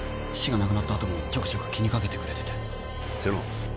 父が亡くなったあともちょくちょく気にかけてくれてて瀬能